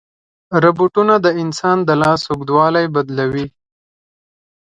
روبوټونه د انسان د لاس اوږدوالی بدلوي.